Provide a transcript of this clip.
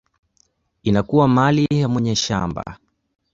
inakuwa mali ya mwenye shamba.